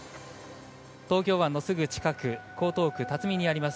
東京湾のすぐ近く江東区にあります